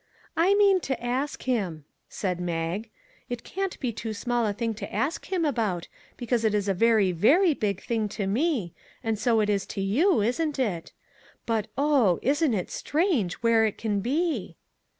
" I mean to ask him," said Mag. " It can't be too small a thing to talk to him about, be cause it is a very, very big thing to me, and so it is to you, isn't it? But, oh, isn't it strange where it can be